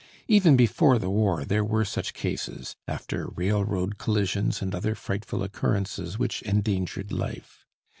Even before the war there were such cases after railroad collisions and other frightful occurrences which endangered life.